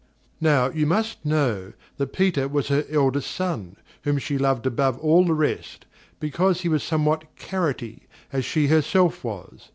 Now, you must know, that Peter was her eldest son, whom she loved above all the rest, because he was somewhat carrotty, as she herself was.